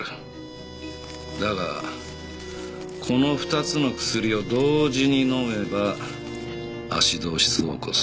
だがこの２つの薬を同時に飲めばアシドーシスを起こす。